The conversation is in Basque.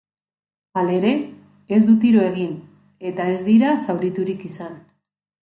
Halere, ez du tiro egin eta ez dira zauriturik izan.